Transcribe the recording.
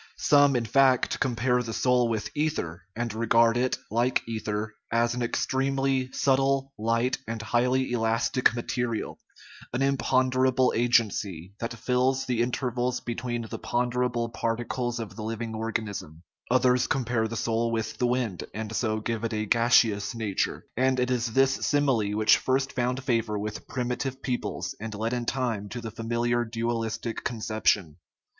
Some, in fact, compare the soul with ether, and regard it, like ether, as an ex tremely subtle, light, and highly elastic material, an imponderable agency, that fills the intervals between the ponderable particles of the living organism, others compare the soul with the wind, and so give it a gas eous nature; and it is this simile which first found favor with primitive peoples, and led in time to the fa miliar dualistic conception.